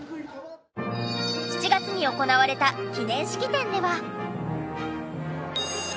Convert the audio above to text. ７月に行われた記念式典では。